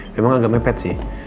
memang agak mepet sih